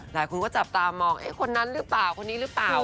หลายคนก็จับตามองคนนั้นหรือเปล่าคนนี้หรือเปล่า